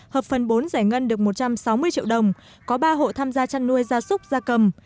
hợp phần bốn giải ngân được một trăm sáu mươi triệu đồng có ba hộ tham gia chăn nuôi gia súc gia cầm